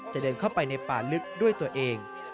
เดินเข้าไปในป่าลึกด้วยตัวเอง